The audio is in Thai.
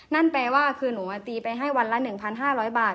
นั่นแปลว่าคือหนูมาตีไปให้วันละหนึ่งพันห้าร้อยบาท